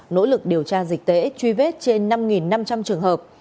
nỗ lực điều tra dịch tễ truy vết trên năm năm trăm linh trường hợp